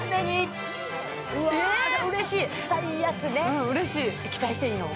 うん嬉しい期待していいの？